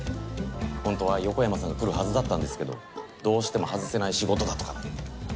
ほんとは横山さんが来るはずだったんですけどどうしても外せない仕事だとかって。